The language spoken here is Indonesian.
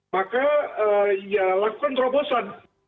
maka ya lakukan terobosan